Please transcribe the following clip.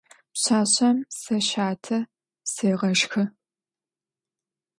Пшъашъэм сэ щатэ сегъэшхы.